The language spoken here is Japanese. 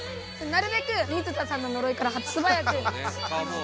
なるべく水田さんの呪いからすばやく。